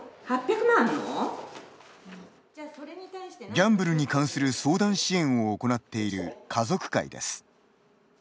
ギャンブルに関する相談支援を行っている家族会です。